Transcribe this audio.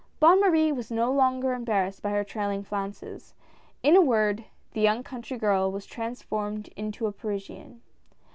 Bonne Marie was no longer embarrassed by her trailing flounces. In a word, the young country girl was transformed into a Parisian.